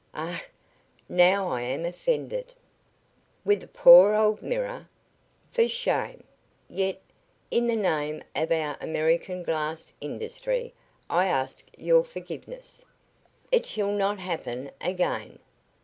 "Ach, now I am offended." "With a poor old mirror? For shame! Yet, in the name of our American glass industry, I ask your forgiveness. It shall not happen again.